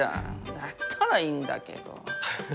だったらいいんだけど。ハハハハ。